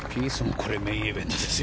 これはメインイベントですよ。